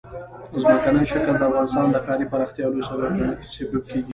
ځمکنی شکل د افغانستان د ښاري پراختیا یو لوی سبب کېږي.